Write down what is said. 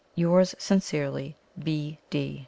"Yours sincerely, "B. D."